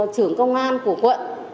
trưởng công an của quận